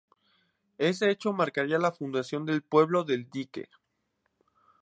Ese hecho marcaría la fundación del pueblo del dique.